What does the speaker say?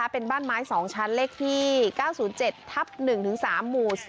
เป็นบ้านไม้๒ชั้นเลขที่๙๐๗ทับ๑๓หมู่๔